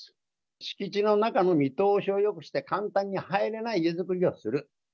敷地の中の見通しをよくして、簡単に入れない家づくりをする。